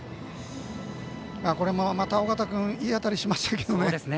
また緒方君いい当たりしましたけどね。